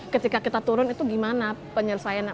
ketika kita turun itu gimana penyelesaiannya